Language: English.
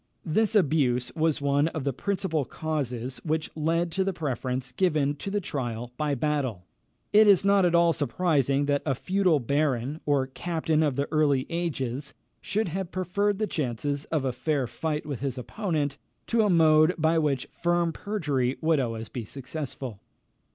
This abuse was one of the principal causes which led to the preference given to the trial by battle. It is not at all surprising that a feudal baron, or captain of the early ages, should have preferred the chances of a fair fight with his opponent to a mode by which firm perjury would always be successful.